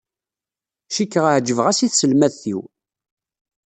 Cikkeɣ ɛejbeɣ-as i tselmadt-iw.